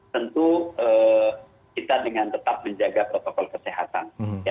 tentu kita dengan tetap menjaga protokol kesehatan